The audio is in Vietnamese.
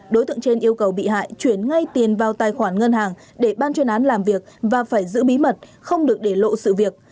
đối tượng trên yêu cầu bị hại chuyển ngay tiền vào tài khoản ngân hàng để ban chuyên án làm việc và phải giữ bí mật không được để lộ sự việc